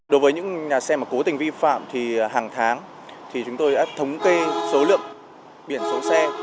đối với những nhà xe mà cố tình vi phạm thì hàng tháng thì chúng tôi đã thống kê số lượng biển số xe